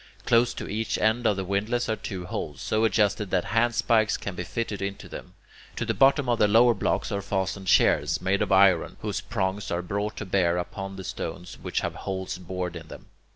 Close to each end of the windlass are two holes, so adjusted that handspikes can be fitted into them. To the bottom of the lower block are fastened shears made of iron, whose prongs are brought to bear upon the stones, which have holes bored in them.